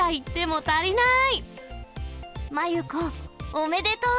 おめでとう。